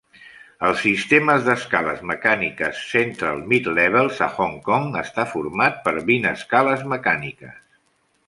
El sistema d'escales mecàniques Central-Midlevels a Hong Kong està format per vint escales mecàniques.